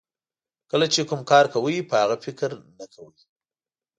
کله چې کوم کار کوئ په هغه فکر نه کوئ.